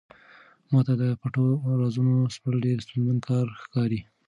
ما ته د پټو رازونو سپړل ډېر ستونزمن کار ښکاري.